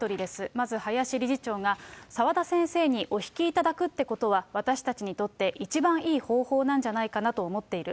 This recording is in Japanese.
まず林理事長が、澤田先生におひきいただくってことは、私たちにとって一番いい方法なんじゃないかなと思っている。